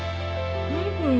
何これ。